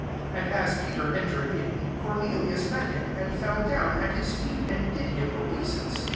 25 And as Peter entered in, Cornelius met him, and fell down at his feet, and did him obeisance.